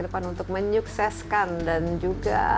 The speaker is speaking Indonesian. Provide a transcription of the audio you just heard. sebentar singgi dan juga